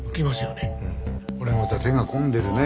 これまた手が込んでるね。